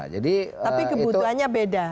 tapi kebutuhannya beda